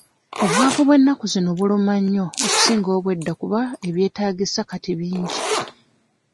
Obwavu bw'ennaku zino buluma nnyo okusinga obw'edda kuba ebyetaagisa kati bingi.